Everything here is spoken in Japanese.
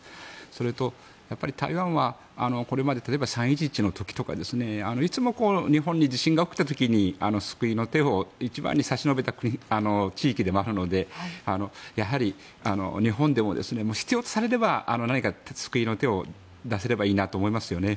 それと、台湾はこれまで例えば３・１１の時とかいつも日本に地震が起きた時に救いの手を一番に差し伸べた地域でもあるのでやはり日本でも、必要とされれば何か救いの手を出せればと思いますよね。